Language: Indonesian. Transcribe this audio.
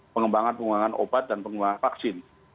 pengembangan pengembangan obat dan pengembangan vaksin